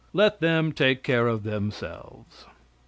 Let them take care of themselves.